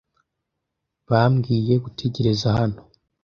Bambwiye gutegereza hano.